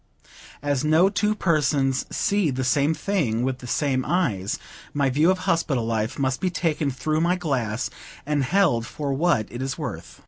As no two persons see the same thing with the same eyes, my view of hospital life must be taken through my glass, and held for what it is worth.